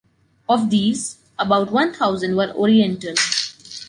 Of these, about one thousand were Oriental.